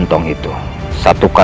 lihat yang aku lakukan